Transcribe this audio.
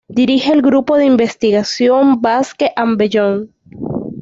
Dirige el grupo de investigación "Basque and Beyond".